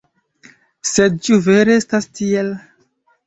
Sed ĉu vere estas tiel?